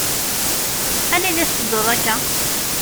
Anida i tetteddud akka?